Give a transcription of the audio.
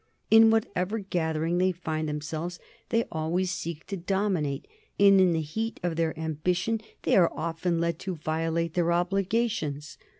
In what ever gathering they find themselves they always seek to dom inate, and in the heat of their ambition they are often led to violate their obligations.